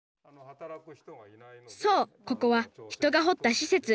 そうここは人が掘った施設。